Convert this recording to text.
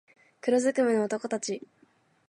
黒づくめの男たち